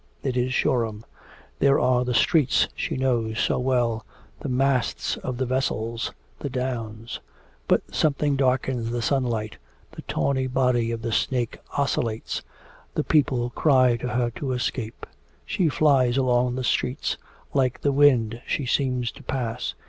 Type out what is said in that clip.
It is Shoreham. There are the streets she knows so well, the masts of the vessels, the downs. But something darkens the sunlight, the tawny body of the snake oscillates, the people cry to her to escape. She flies along the streets, like the wind she seems to pass.